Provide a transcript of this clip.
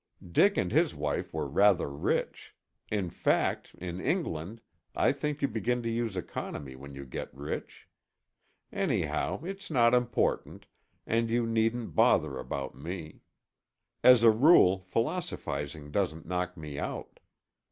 "Dick and his wife were rather rich. In fact, in England, I think you begin to use economy when you get rich. Anyhow, it's not important, and you needn't bother about me. As a rule, philosophizing doesn't knock me out.